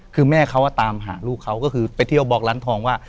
คือแม่เขาตามหาลูกเขาก็คือไปเที่ยวบอกร้านทองว่า